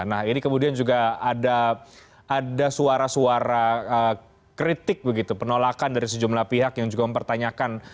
nah ini kemudian juga ada suara suara kritik begitu penolakan dari sejumlah pihak yang juga mempertanyakan